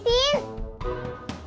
gak mau tau ayo